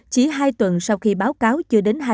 chỉ hai tuần sau khi báo cáo chưa đến hai trăm linh ca